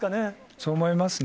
そう思いますね。